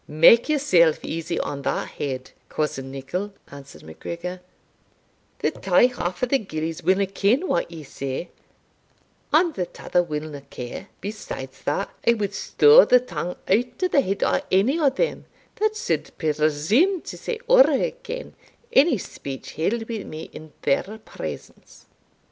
"Make yourself easy on that head, cousin Nicol," answered MacGregor; "the tae half o' the gillies winna ken what ye say, and the tother winna care besides that, I wad stow the tongue out o' the head o' any o' them that suld presume to say ower again ony speech held wi' me in their presence."